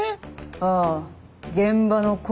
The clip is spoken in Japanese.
ああ現場の声